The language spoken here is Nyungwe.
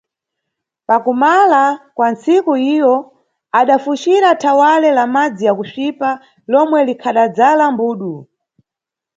Pakumala kwa ntsiku iwo adafucira thawale la madzi ya kusvipa lomwe likhadadzala mbudu.